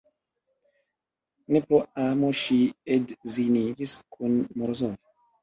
Ne pro amo ŝi edziniĝis kun Morozov.